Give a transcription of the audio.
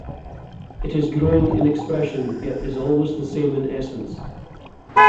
It is growing in expression yet is always the same in essence.